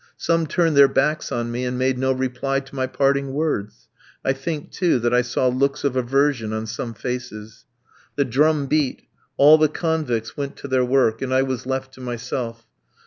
Some turned their backs on me, and made no reply to my parting words. I think, too, that I saw looks of aversion on some faces. The drum beat; all the convicts went to their work; and I was left to myself.